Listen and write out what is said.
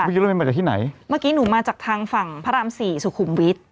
กินรถเมย์มาจากที่ไหนเมื่อกี้หนูมาจากทางฝั่งพระรามสี่สุขุมวิทย